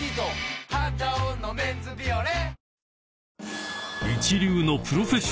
「肌男のメンズビオレ」